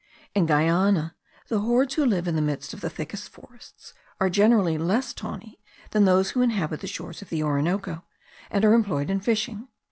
In Guiana, the hordes who live in the midst of the thickest forests are generally less tawny than those who inhabit the shores of the Orinoco, and are employed in fishing.